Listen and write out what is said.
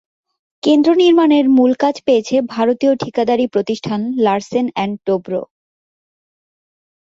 কেন্দ্র নির্মাণের মূল কাজ পেয়েছে ভারতীয় ঠিকাদারি প্রতিষ্ঠান লারসেন অ্যান্ড টোবরো।